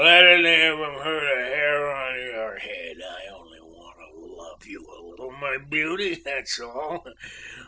let any of 'em hurt a hair of your head! I only want to love you a little, my beauty! that's all!